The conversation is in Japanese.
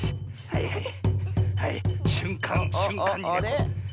はい！